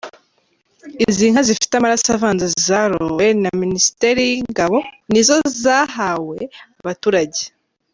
Izi nka zifite amaraso avanze zarowe na Minisiteri y’ingabo nizo zahawe abaturage.